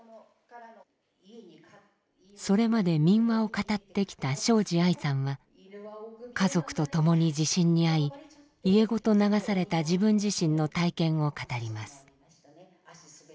それまで民話を語ってきた庄司アイさんは家族と共に地震に遭い家ごと流された自分自身の体験を語ります。